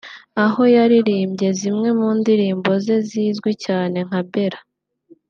aho yaririmbye zimwe mundirimbo ze zizwi cyane nka Bella